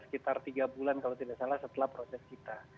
sekitar tiga bulan kalau tidak salah setelah proses kita